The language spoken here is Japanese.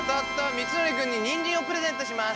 みつのりくんににんじんをプレゼントします。